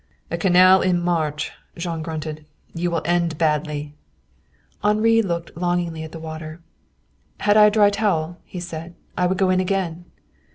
"A canal in March!" Jean grunted. "You will end badly." Henri looked longingly at the water. "Had I a dry towel," he said, "I would go in again."